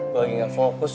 gue lagi gak fokus